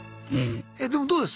えでもどうです？